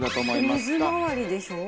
水回りでしょ？